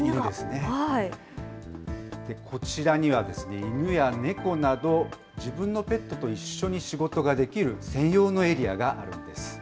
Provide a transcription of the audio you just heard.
こちらには犬や猫など、自分のペットと一緒に仕事ができる専用のエリアがあるんです。